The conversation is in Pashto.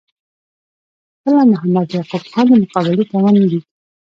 خپله محمد یعقوب خان د مقابلې توان نه لید.